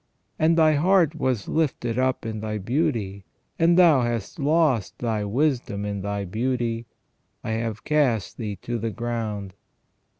And thy heart was lifted up in thy beauty : and thou hast lost thy wisdom in thy beauty, I have cast thee to the ground."